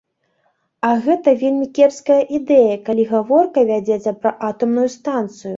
А гэта вельмі кепская ідэя, калі гаворка вядзецца пра атамную станцыю.